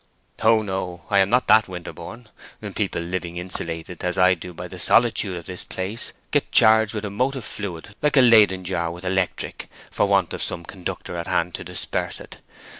"Oh no—I am not that, Winterborne; people living insulated, as I do by the solitude of this place, get charged with emotive fluid like a Leyden jar with electric, for want of some conductor at hand to disperse it.